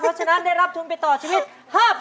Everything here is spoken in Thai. เพราะฉะนั้นได้รับทุนไปต่อชีวิต๕๐๐๐